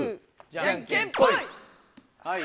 じゃんけんぽい！